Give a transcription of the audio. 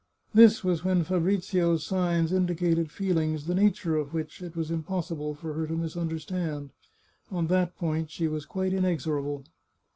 This was when Fa brizio's signs indicated feelings the nature of which it was impossible for her to misunderstand. On that point she was quite inexorable.